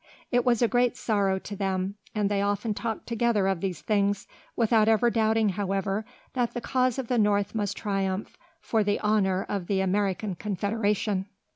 It was a great sorrow to them, and they often talked together of these things, without ever doubting however that the cause of the North must triumph, for the honour of the American Confederation.